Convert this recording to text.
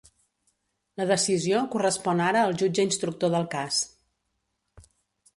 La decisió correspon ara al jutge instructor del cas.